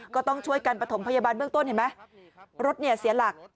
ก็ต้องช่วยกันประถมพยาบาลเบื้องต้นเห็นไหมรถเนี่ยเสียหลัก